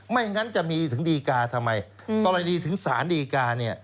งั้นจะมีถึงดีกาทำไมกรณีถึงสารดีกาเนี่ย